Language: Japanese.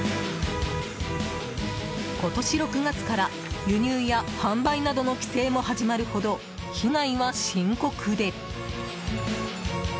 今年６月から輸入や販売などの規制も始まるほど被害は深刻で。